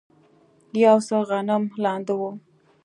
یو څه غنم لانده و.